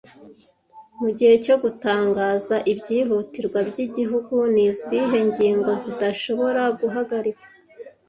Mugihe cyo gutangaza ibyihutirwa byigihugu ni izihe ngingo zidashobora guhagarikwa